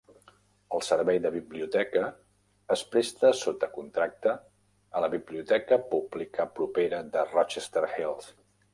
El servei de biblioteca es presta sota contracte a la biblioteca pública propera de Rochester Hills.